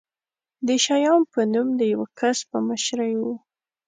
د شیام په نوم د یوه کس په مشرۍ و.